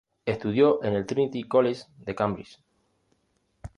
Estudió en el Trinity College de Cambridge.